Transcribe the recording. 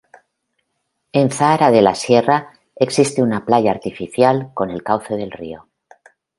En Zahara de la Sierra existe una playa artificial con el cauce del río.